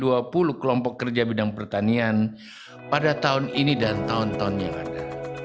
dan pertemuan g dua puluh kelompok kerja bidang pertanian pada tahun ini dan tahun tahun yang ada